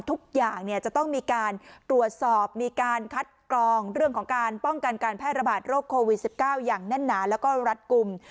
ทุกอย่างจะต้องมีการตรวจสอบมีการคัดกรองเรื่องของการป้องกันการแพร่ระบาดโรคโควิด๑๙อย่างแน่นหนาแล้วก็รัดกลุ่ม